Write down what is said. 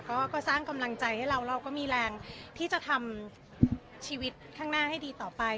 ก็สร้างกำลังใจให้เราเราก็มีแรงที่จะทำชีวิตข้างหน้าให้ดีต่อไป